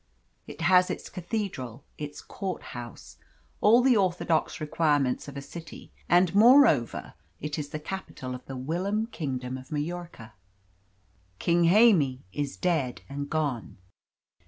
It has its cathedral, its court house all the orthodox requirements of a city, and, moreover, it is the capital of the whilom kingdom of Majorca. King Jaime is dead and gone.